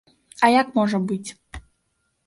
А як можа быць?